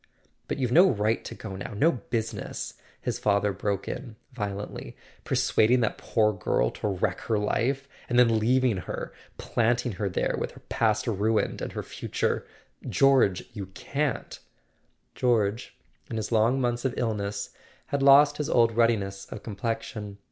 "But you've no right to go now; no business," his father broke in violently. "Persuading that poor girl [ 359 ] A SON AT THE FRONT to wreck her life ... and then leaving her, planting her there with her past ruined, and her future. .. George, you can't!" George, in his long months of illness, had lost his old ruddiness of complexion.